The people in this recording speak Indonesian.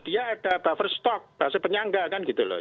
dia ada buffer stock bahasa penyangga kan gitu loh